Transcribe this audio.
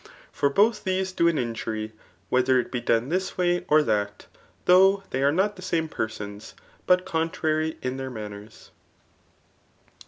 For both diese do an injury, whether it be done this way or diat, diough they are not the same persons, but contrary in dieir manners.